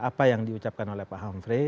apa yang diucapkan oleh pak hamfrey